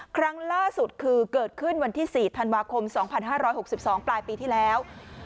ครั้งล่าสุดคือเกิดขึ้นวันที่สี่ธันวาคมสองพันห้าร้อยหกสิบสองปลายปีที่แล้ว